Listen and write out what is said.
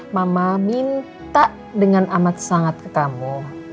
mama minta dengan amat sangat ke kamu